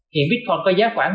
hiện bitcoin có giá khoảng